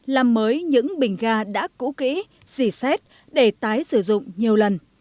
làm mới những bình ga đã cũ kỹ xỉ xét để tái sử dụng nhiều lần